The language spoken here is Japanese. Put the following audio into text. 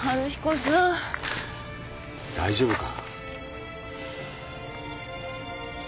大丈夫か？